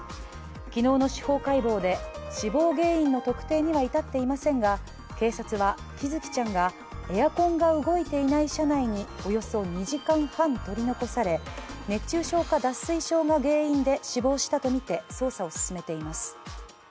昨日の司法解剖で、死亡原因の特定には至っていませんが、警察は、喜寿生ちゃんがエアコンが動いていない車内におよそ２時間半、取り残され熱中症か脱水症が原因で死亡したとみて捜査を進めています。